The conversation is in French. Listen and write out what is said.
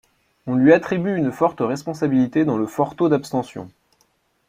On lui attribue une responsabilité dans le fort taux d'abstention.